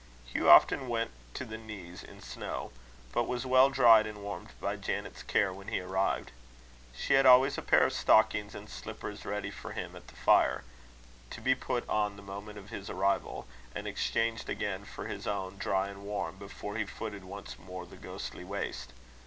Hugh often went to the knees in snow, but was well dried and warmed by Janet's care when he arrived. She had always a pair of stockings and slippers ready for him at the fire, to be put on the moment of his arrival; and exchanged again for his own, dry and warm, before he footed once more the ghostly waste.